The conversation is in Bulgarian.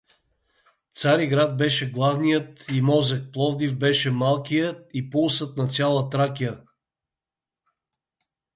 Цариград беше главният й мозък, Пловдив беше малкият и пулсът на цяла Тракия.